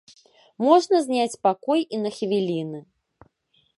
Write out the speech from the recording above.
Можна зняць пакой і на хвіліны.